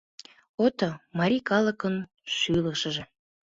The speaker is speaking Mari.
Ото — марий калыкын шӱлышыжӧ.